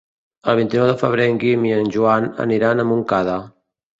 El vint-i-nou de febrer en Guim i en Joan aniran a Montcada.